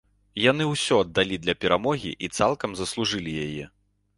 Яны ўсё аддалі для перамогі, і цалкам заслужылі яе.